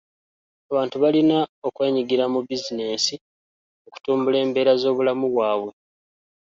Abantu balina okwenyigira mu bizinensi okutumbula embeera z'obulamu bwabwe.